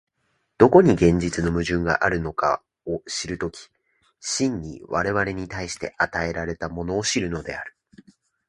どこに現実の矛盾があるかを知る時、真に我々に対して与えられたものを知るのである。